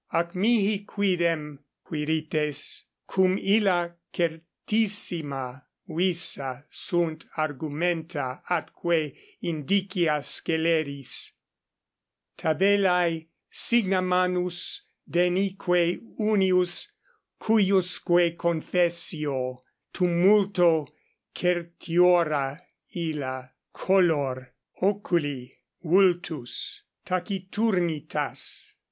Ac 13 mihi quidem, Quirites, cum illa certissima visa sunt argumenta atque indicia sceleris, tabellae, signa, manus, denique unius cuiusque confessio, tum multo certiora illa, color, oculi, vultus, taciturnitas.